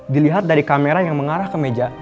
dilihat dari kamera yang mengarah ke meja